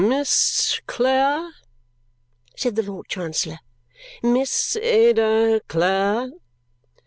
"Miss Clare," said the Lord Chancellor. "Miss Ada Clare?"